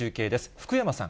福山さん。